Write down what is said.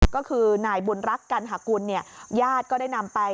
โรงพยาบาลวิทยาลัยโรงพยาบาลวิทยาลัย